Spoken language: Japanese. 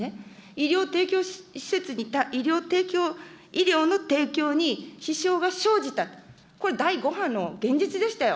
医療提供施設に、医療の提供に支障が生じた、これ、第５波の現実でしたよ。